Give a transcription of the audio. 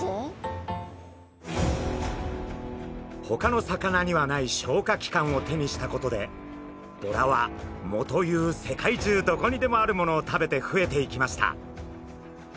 ほかの魚にはない消化器官を手にしたことでボラは藻という世界中どこにでもあるものを食べて増えていきました。